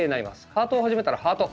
ハートを始めたらハート。